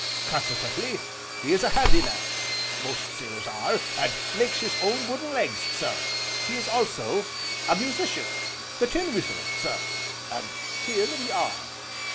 Consequently he is a handy man, most sailors are and makes his own wooden legs, sir, he is also a musician the tin whistle, sir, and here we are!"